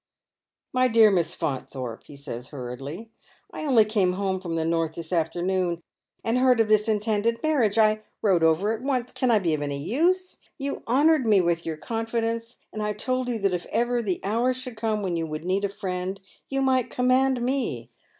" My dear Miss Faunthorpe," he says hurriedly, " I only came home from the north this afternoon, and heard of this intended man iage, I rode over at once. Can I be of any use ? You honoured me with your confidence, and I told you that if ever the hour should come when you would need a friend, you might command me.